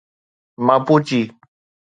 ماپوچي